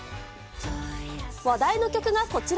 話題の曲がこちら。